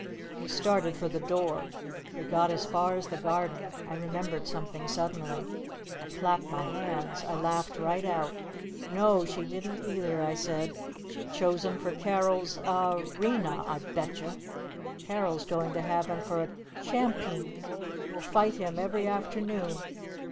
We started for the door. We got as far as the Garden. I remembered something suddenly. I clapped my hands. I laughed right out! "No! She didn't either!" I said. "She chose him for Carol's Ar Rena I bet'cher! Carol's going to have him for a Cham peen! We'll fight him every afternoon!